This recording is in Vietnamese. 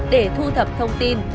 để thu thập thông tin